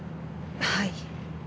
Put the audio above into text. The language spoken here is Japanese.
はい。